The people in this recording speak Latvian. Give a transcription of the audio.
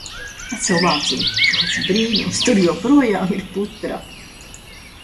Pacel vāciņu! Kāds brīnums - tur joprojām ir putra!